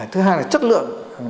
thứ hai là chất lượng